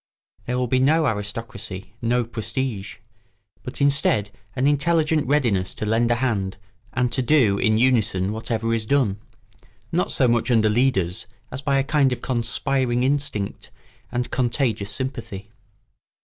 There will be no aristocracy, no prestige; but instead an intelligent readiness to lend a hand and to do in unison whatever is done, not so much under leaders as by a kind of conspiring instinct and contagious sympathy.